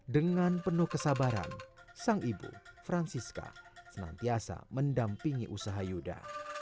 dengan penuh kesabaran sang ibu francisca senantiasa mendampingi usaha yuda